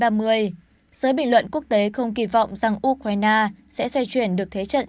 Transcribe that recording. giới bình luận quốc tế không kỳ vọng rằng ukraine sẽ xoay chuyển được thế trận